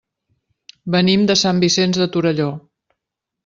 Venim de Sant Vicenç de Torelló.